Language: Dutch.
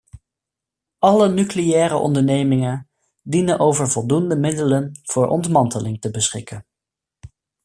Alle nucleaire ondernemingen dienen over voldoende middelen voor ontmanteling te beschikken.